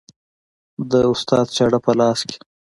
د استاد چاړه په لاس کې